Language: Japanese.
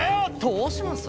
「どうします？」。